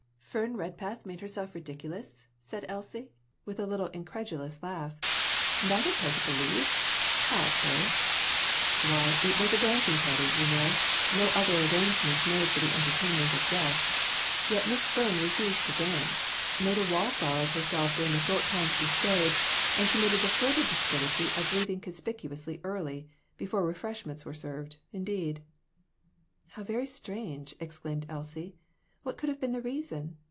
"Fern Redpath make herself ridiculous!" said Elsie, with a little incredulous laugh. " That is hard to believe ! How, pray ?"" Why, it was a dancing party, you know ; no other arrangements made for the entertainment of guests ; yet Miss Fern refused to dance made a wall flower of herself during the short time she stayed, and committed the further discourtesy of leaving conspicuously early before refreshments were served, indeed." " How very strange !" exclaimed Elsie. " What could have been the reason